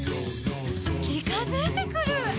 「ちかづいてくる！」